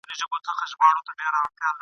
افغانان به پردي يرغلګر له خپل هېواده وباسي.